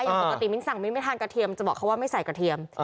อย่างปกติมิ้นสั่งมิ้นไม่ทานกระเทียมจะบอกเขาว่าไม่ใส่กระเทียม